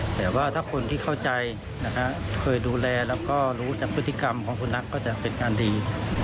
แต่ว่าถ้าคนที่เข้าใจเคยดูแลแล้วก็รู้จากพฤติกรรมของคุณรักก็จะเป็นการดี